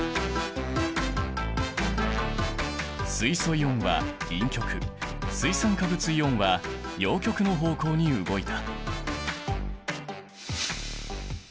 水素イオンは陰極水酸化物イオンは陽極の方向に動いた！